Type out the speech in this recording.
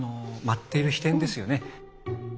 舞っている飛天ですよね。